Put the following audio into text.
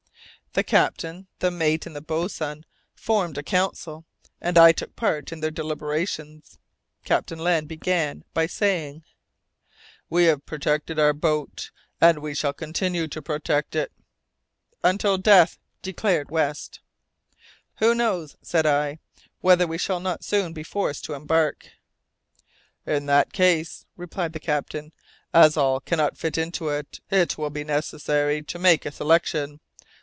The captain, the mate, and the boatswain formed a council, and I took part in their deliberations. Captain Len Guy began by saying, "We have protected our boat, and we shall continue to protect it." "Until death," declared West. "Who knows," said I, "whether we shall not soon be forced to embark?" "In that case," replied the captain, "as all cannot fit into it, it will be necessary to make a selection.